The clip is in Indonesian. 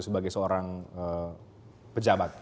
sebagai seorang pejabat